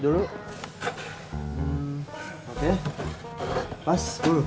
ini udah enak